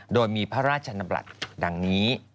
โดยมีพระราชนบรัฐดังนี้